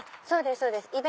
そうです